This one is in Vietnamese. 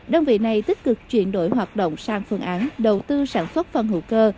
đơn vị này tích cực chuyển đổi hoạt động sang phương án đầu tư sản xuất phân hữu cơ